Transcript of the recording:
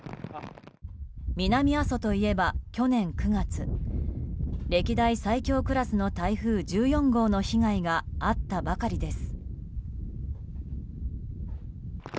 南阿蘇といえば去年９月歴代最強クラス台風１４号の被害があったばかりです。